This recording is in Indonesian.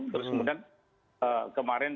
terus kemudian kemarin